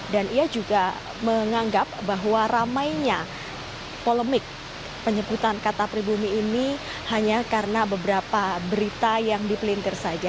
dan ia juga menganggap bahwa ramainya polemik penyebutan kata pribumi ini hanya karena beberapa berita yang dipelintir saja